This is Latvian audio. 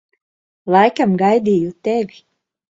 Laikam gaidīju tevi.